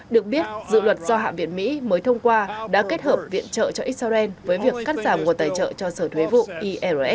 được biết dự luật do hạ viện mỹ mới thông qua đã kết hợp viện trợ cho israel với việc cắt giảm nguồn tài trợ cho sở thuế